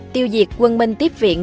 tiêu diệt quân minh tiếp viện